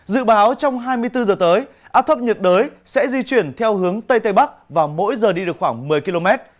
dự báo trong hai mươi bốn h tới áp thấp nhiệt đới sẽ di chuyển theo hướng tây tây bắc và mỗi giờ đi được khoảng một mươi km